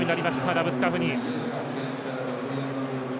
ラブスカフニ。